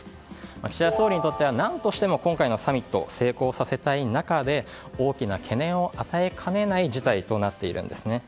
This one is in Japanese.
岸田総理にとっては何としても今回のサミットを成功させたい中で大きな懸念を与えかねない事態となっているんですね。